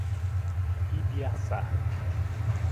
Ibiaçá